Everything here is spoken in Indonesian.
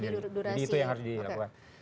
jadi itu yang harus dilakukan